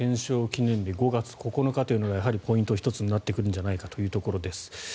記念日５月９日というのがポイント１つになってくるのではというところです。